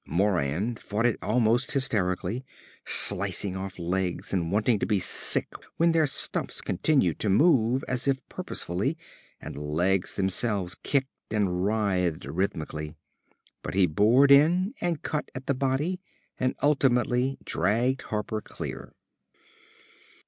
Moran fought it almost hysterically, slicing off legs and wanting to be sick when their stumps continued to move as if purposefully, and the legs themselves kicked and writhed rhythmically. But he bored in and cut at the body and ultimately dragged Harper clear.